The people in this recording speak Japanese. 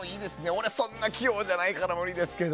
俺、そんな器用じゃないから無理ですけど。